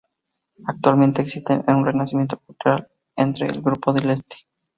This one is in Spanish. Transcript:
Actualmente existe un renacimiento cultural entre el grupo del este.